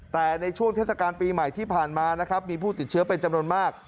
แต่ในช่วงเทศกาลปีใหม่ที่ผ่านมานะครับมีผู้ติดเชื้อเป็นจำนวนมาก